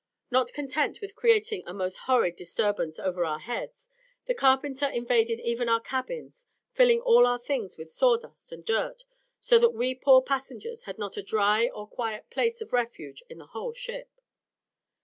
Not content with creating a most horrible disturbance over our heads, the carpenter invaded even our cabins, filling all our things with sawdust and dirt, so that we poor passengers had not a dry or quiet place of refuge in the whole ship.